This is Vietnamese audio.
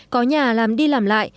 có nhà làm đi làm lại